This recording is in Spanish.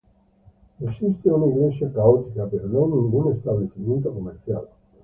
Existe una iglesia católica pero no hay ningún establecimiento comercial.